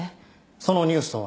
そのニュースとは？